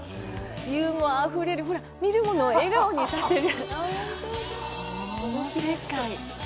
ユーモアあふれる、見るものを笑顔にさせる。